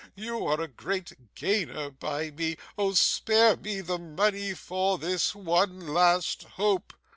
You are a great gainer by me. Oh spare me the money for this one last hope!